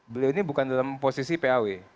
beliau ini bukan dalam posisi paw